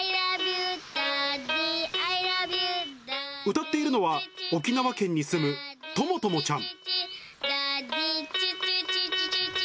歌っているのは、沖縄県に住む友友ちゃん。